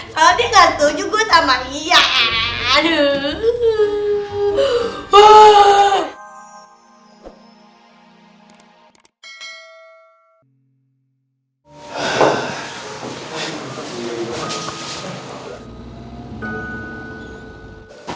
kalo dia gak setuju gue sama ian